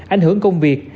ảnh hưởng công việc